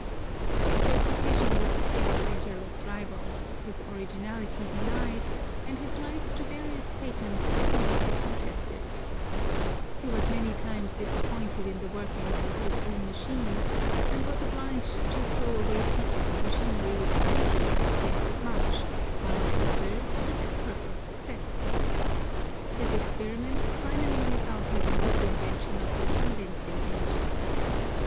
His reputation was assailed by jealous rivals, his originality denied, and his rights to various patents vehemently contested. He was many times disappointed in the workings of his own machines, and was obliged to throw away pieces of machinery from which he had expected much, while with others he had perfect success. His experiments finally resulted in his invention of the condensing engine.